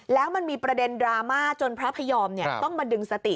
แล้วมันมีประเด็นดราม่าจนพระพยอมต้องมาดึงสติ